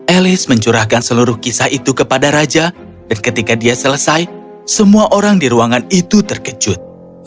elis mencurahkan seluruh kisah itu kepada raja dan ketika dia selesai semua orang di ruangan itu terkejut